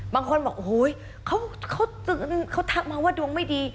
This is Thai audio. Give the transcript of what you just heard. บางคนบอกโอ้โหเขาทักมาว่าดวงไม่ดี